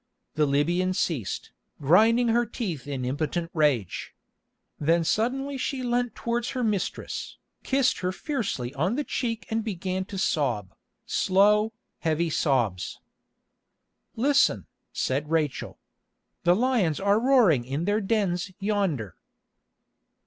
The Libyan ceased, grinding her teeth in impotent rage. Then suddenly she leant towards her mistress, kissed her fiercely on the cheek and began to sob, slow, heavy sobs. "Listen," said Rachel. "The lions are roaring in their dens yonder."